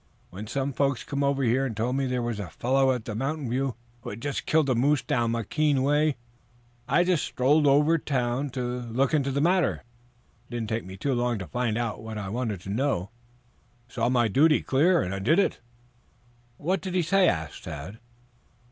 When some folks came over and told me there was a fellow at the Mountain View who had just killed a moose down Moquin way, I just strolled over town to look into the matter. It didn't take me long to find out what I wanted to know. I saw my duty clear and I did it." "What did he say?" asked Tad.